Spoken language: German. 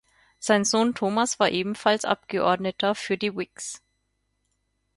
Sein Sohn Thomas war ebenfalls Abgeordneter für die Whigs.